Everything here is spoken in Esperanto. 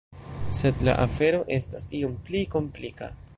Sed la afero estas iom pli komplika.